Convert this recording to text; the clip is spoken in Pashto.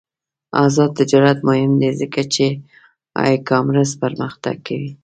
آزاد تجارت مهم دی ځکه چې ای کامرس پرمختګ کوي.